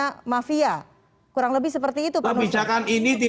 mereka memang mafia kurang lebih seperti itu pak nusrat